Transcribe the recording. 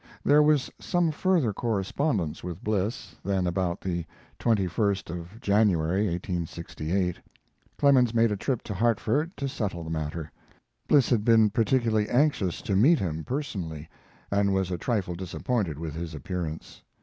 There was some further correspondence with Bliss, then about the 21st of January (1868) Clemens made a trip to Hartford to settle the matter. Bliss had been particularly anxious to meet him, personally and was a trifle disappointed with his appearance.